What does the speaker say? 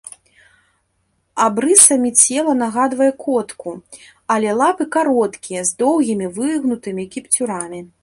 Абрысамі цела нагадвае котку, але лапы кароткія, з доўгімі выгнутымі кіпцюрамі.